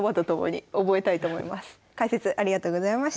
解説ありがとうございました。